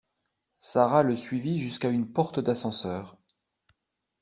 Sara le suivi jusqu’à une porte d’ascenseur.